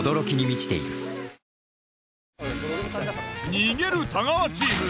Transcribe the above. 逃げる太川チーム。